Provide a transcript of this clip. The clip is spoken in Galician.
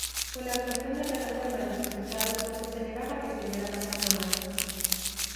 Pola actuación da plataforma e dos afectados, porque se negaba que estivera pasando nada.